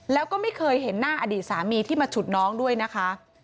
แล้วก็ไม่เคยเห็นหน้าอดีตสามีที่มาฉุดน้องด้วยนะคะ